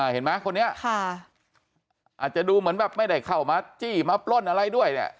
เห็นไหมคนนี้อาจจะดูเหมือนแบบไม่ได้เข้ามาจี้มาปล้นอะไรด้วยเนี่ย